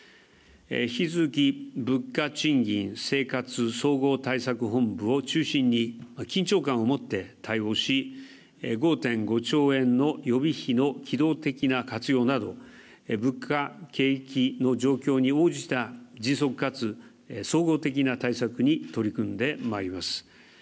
引き続き物価、賃金、生活総合対策本部を中心に緊張感を持って対応し、５．５兆円の予備費の機動的な活用など物価、景気の状況に応じた迅速かつ総合的な対策に取り組んでまいります。